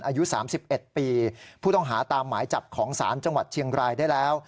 อายุ๓๑ปีผู้ต้องหาตามหมายจับของศาลจังหวัดเชียงรายได้แล้ว